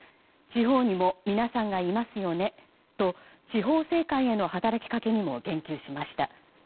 地方にも皆さんがいますよねと地方政界への働きかけにも言及しました。